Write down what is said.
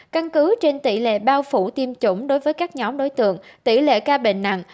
căn cứ trên tỷ lệ bao phủ tiêm chủng đối với các nhóm đối tượng tỷ lệ ca bệnh nặng